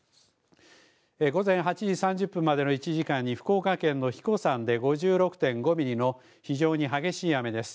午前８時３０分までの１時間に福岡県の英彦山で５６．５ミリの非常に激しい雨です。